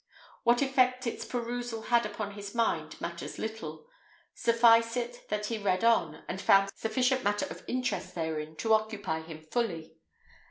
What effect its perusal had upon his mind matters little: suffice it that he read on, and found sufficient matter of interest therein to occupy him fully.